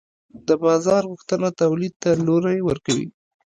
د بازار غوښتنه تولید ته لوری ورکوي.